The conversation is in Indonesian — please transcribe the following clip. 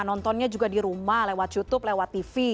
nontonnya juga di rumah lewat youtube lewat tv